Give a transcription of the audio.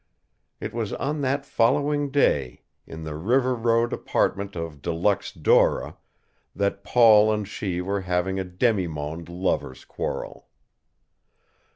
It was on that following day, in the River Road apartment of De Luxe Dora, that Paul and she were having a demi monde lovers' quarrel.